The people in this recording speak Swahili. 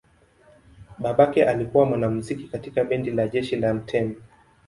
Babake alikuwa mwanamuziki katika bendi la jeshi la mtemi.